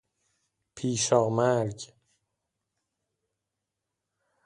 پیشامرگ